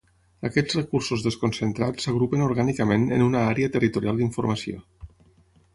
Aquests recursos desconcentrats s'agrupen orgànicament en una Àrea Territorial d'Informació.